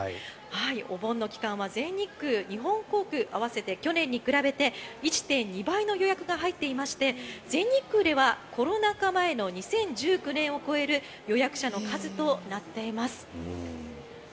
お盆の期間は全日空、日本航空合わせて去年に比べて１．２倍の予約が入っていまして全日空ではコロナ禍前の２０１９年を超える予約者の数となっています。